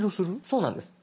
そうなんです。